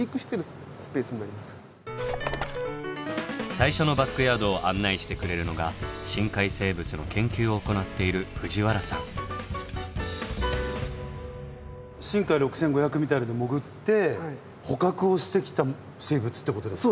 最初のバックヤードを案内してくれるのが深海生物の研究を行っているしんかい６５００みたいなので潜って捕獲をしてきた生物ってことですか？